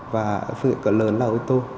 và phương tiện cỡ lớn là ô tô